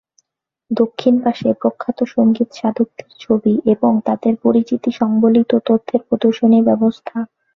দক্ষিণ পাশে প্রখ্যাত সংগীতসাধকদের ছবি এবং তাঁদের পরিচিতিসংবলিত তথ্যের প্রদর্শনীর ব্যবস্থা।